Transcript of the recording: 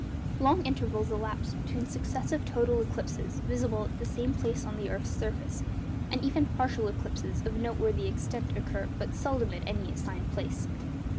Long intervals elapse between successive total eclipses visible at the same place on the earth's surface, and even partial eclipses of noteworthy extent occur but seldom at any assigned place.